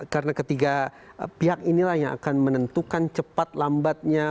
karena ketiga pihak inilah yang akan menentukan cepat lambatnya